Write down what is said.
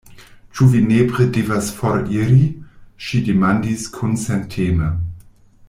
Ĉu vi nepre devas foriri? ŝi demandis kunsenteme.